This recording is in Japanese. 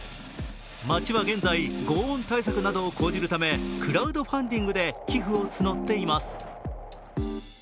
町は現在、ごう音対策などを講じるためクラウドファンディングで寄付を募っています。